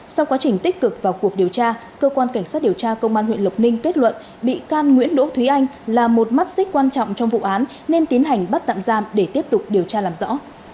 sau quá trình tích cực vào cuộc điều tra cơ quan cảnh sát điều tra công an huyện lộc ninh kết luận bị can nguyễn đỗ thúy anh là một mắt xích quan trọng trong vụ án nên tiến hành bắt tạm giam để tiếp tục điều tra làm rõ